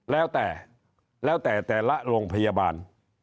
แล้วแต่แล้วแต่แต่ละโรงพยาบาล